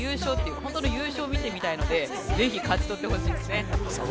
本当の優勝を見てみたいのでぜひ勝ち取ってほしいですね。